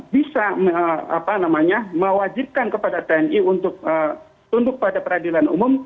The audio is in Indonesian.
bisa mewajibkan kepada tni untuk tunduk pada peradilan umum